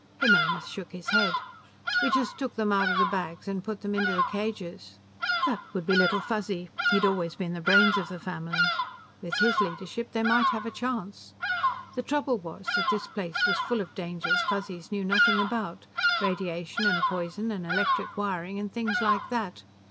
Jimenez shook his head. "We just took them out of the bags and put them into the cages." That would be Little Fuzzy; he'd always been the brains of the family. With his leadership, they might have a chance. The trouble was that this place was full of dangers Fuzzies knew nothing about radiation and poisons and electric wiring and things like that.